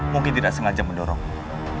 mungkin tidak sengaja mendorongmu